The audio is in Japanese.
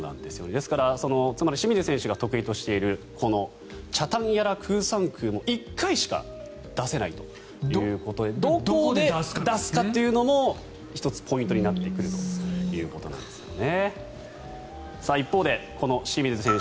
ですから、つまり清水選手が得意としているチャタンヤラクーサンクーも１回しか出せないということでどこで出すかというのも１つポイントになってくるということなんですよね。